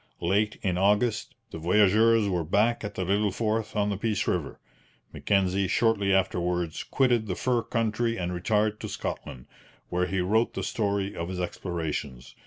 Late in August the voyageurs were back at the little fort on the Peace river. Mackenzie shortly afterwards quitted the fur country and retired to Scotland, where he wrote the story of his explorations.